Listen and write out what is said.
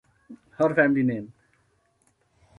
Her family name.